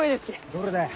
どれだよ？